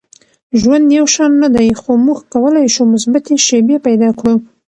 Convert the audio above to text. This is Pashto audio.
• ژوند یو شان نه دی، خو موږ کولی شو مثبتې شیبې پیدا کړو.